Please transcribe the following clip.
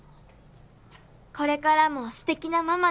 「これからもすてきなママでいてね」